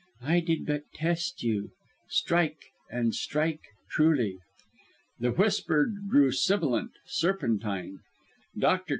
I did but test you. Strike and strike truly!" The whisper grew sibilant serpentine. Dr.